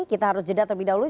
kita harus jeda terlebih dahulu